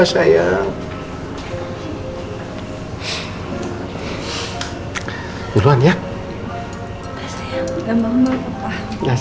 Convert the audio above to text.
ya sayang assalamualaikum warahmatullahi wabarakatuh